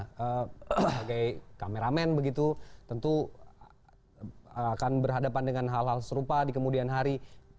sebagai kameramen begitu tentu akan berhadapan dengan hal hal serupa di kemudian hari